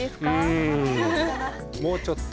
うんもうちょっと。